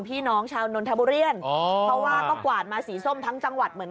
พี่น้องชาวนนทบุรีอ๋อเพราะว่าก็กวาดมาสีส้มทั้งจังหวัดเหมือน